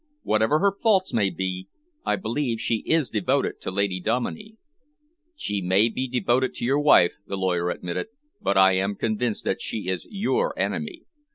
"Whatever her faults may be, I believe she is devoted to Lady Dominey." "She may be devoted to your wife," the lawyer admitted, "but I am convinced that she is your enemy.